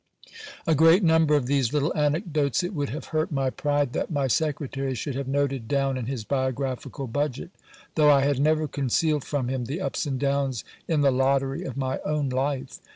A great number of these little anecdotes it would have hurt my pri le that my secretary should have noted down in his biographical budget, 340 GIL BLAS. though I had never concealed from him the ups and downs in the lottery of my own life.